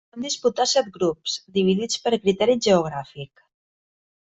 Es van disputar set grups, dividits per criteri geogràfic.